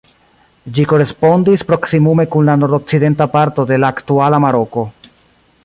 Ĝi korespondis proksimume kun la nordokcidenta parto de la aktuala Maroko.